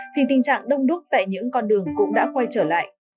thì tình trạng đông đúc tại những con đường cũng đã quay trở lại